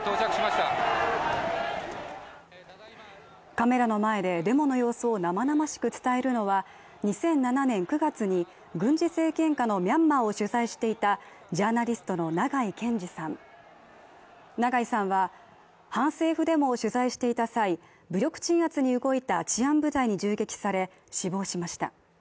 カメラの前でデモの様子を生々しく伝えるのは、２００７年９月の軍事政権下のミャンマーを取材していたジャーナリストの長井健司さん、長井さんは反政府デモを取材していた際、武力鎮圧に動いた治安部隊に銃撃され死亡しました。